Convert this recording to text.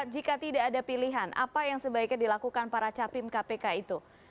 jika tidak ada pilihan apa yang sebaiknya dilakukan para capim kpk itu